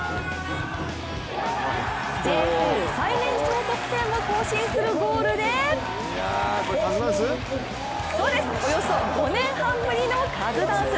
ＪＦＬ最年長得点を更新するゴールでおよそ５年半ぶりのカズダンス。